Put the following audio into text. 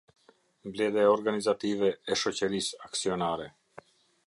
Mbledhja Organizative e Shoqërisë Aksionare.